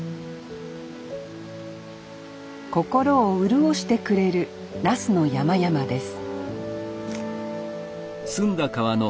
心を潤してくれる那須の山々です